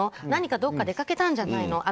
何かどこか出かけたんじゃないの？